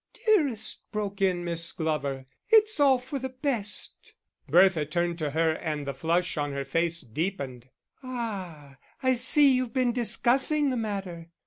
"Dearest," broke in Miss Glover, "it's all for the best." Bertha turned to her and the flush on her face deepened: "Ah, I see you've been discussing the matter.